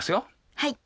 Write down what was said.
はい。